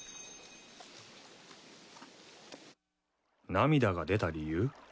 涙が出た理由？